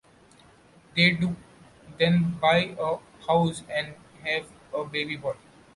They do, then buy a house and have a baby boy.